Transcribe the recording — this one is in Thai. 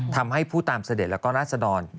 ทำให้ผู้ตามเสด็จแล้วก็ราศดร